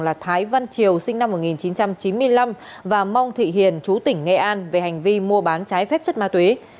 là thái văn triều sinh năm một nghìn chín trăm chín mươi năm và mong thị hiền chú tỉnh nghệ an về hành vi mua bán trái phép chất ma túy